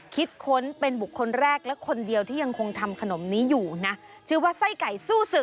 ค้นเป็นบุคคลแรกและคนเดียวที่ยังคงทำขนมนี้อยู่นะชื่อว่าไส้ไก่สู้ศึก